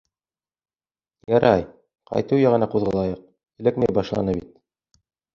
Ярай, ҡайтыу яғына ҡуҙғалайыҡ, эләкмәй башланы бит.